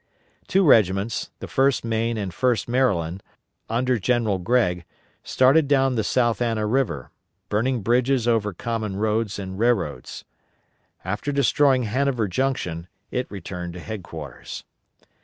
Two regiments, the 1st Maine and 1st Maryland, under General Gregg, started down the South Anna River, burning bridges over common roads and railroads. After destroying Hanover Junction, it returned to headquarters.